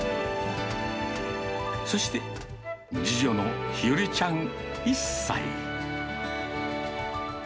そして、次女のひよりちゃん１歳。